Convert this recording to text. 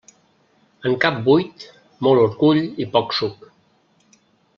En cap buit, molt orgull i poc suc.